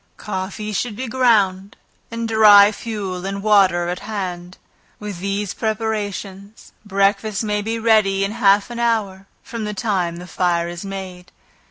Coffee should be ground, and dry fuel, and water at hand. With these preparations, breakfast may be ready in half an hour from the time the fire is made.